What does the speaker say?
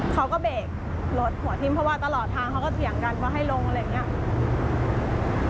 เขาก็เบรกรถหัวทิ้มเพราะว่าตลอดทางเขาก็เถียงกันว่าให้ลงอะไรอย่างนี้